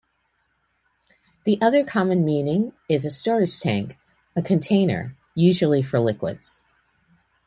The other common meaning is a storage tank, a container, usually for liquids.